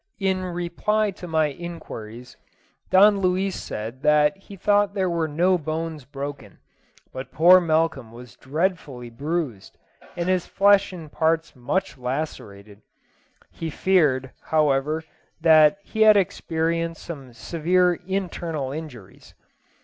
In reply to my inquiries, Don Luis said that he thought there were no bones broken, but poor Malcolm was dreadfully bruised, and his flesh in parts much lacerated. He feared, however, that he had experienced some severe internal injuries.